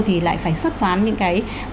thì lại phải xuất toán những cái